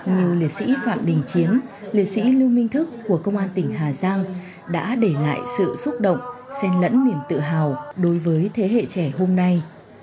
như liệt sĩ phạm đình chiến liệt sĩ lưu minh thức của công an tỉnh hà giang đã để lại sự xúc động sen lẫn niềm tự hào đối với thế hệ trẻ hôm nay